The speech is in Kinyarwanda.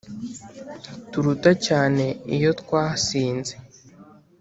turuta cyane iyo twasinze